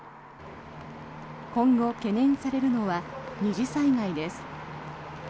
今後、懸念されるのは二次災害です。